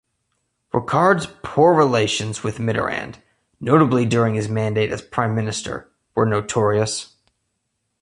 Rocard's poor relations with Mitterrand, notably during his mandate as Prime Minister, were notorious.